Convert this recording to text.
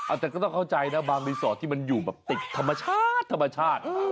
อาจจะต้องเข้าใจนะบางวีสอที่มันอยู่แบบติดธรรมชาติ